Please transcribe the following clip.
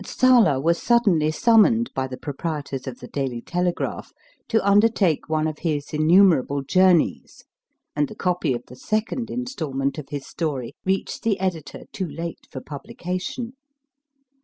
Sala was suddenly summoned by the proprietors of the Daily TelegrapJi to CONSULTING OLD ALMANACS 200 MY FIRST BOOK undertake one of his innumerable journeys, and the copy of the second instalment of his story reached the editor too late for publication.